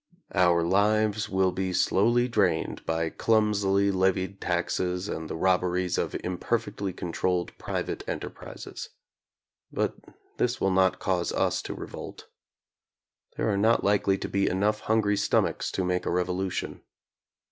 Our lives will be slowly drained by clumsily levied taxes and the robberies of imperfectly controlled private enterprises. But this will not cause us to revolt. There are not likely to be enough hungry stomachs to make a revolution.